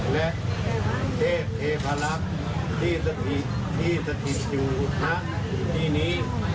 และเทพเทพลักษณ์ที่สถิตที่สถิตอยู่ณที่นี้